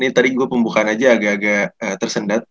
ini tadi gue pembukaan aja agak agak tersendat